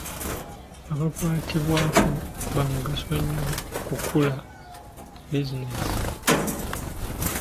Abakwatibwako ba mugaso nnyo mu kukula kwa bizinensi.